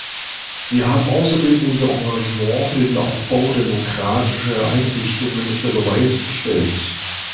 Wir haben außerdem unser Engagement für den Aufbau demokratischer Einrichtungen unter Beweis gestellt.